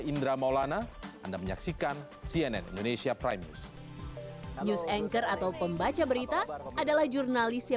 untuk kita dengarkan bersama